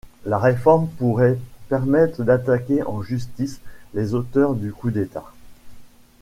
La réforme pourrait permettre d'attaquer en justice les auteurs du coup d'État.